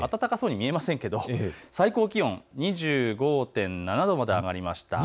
雨も降っていて暖かそうに見えませんが最高気温２５．７度まで上がりました。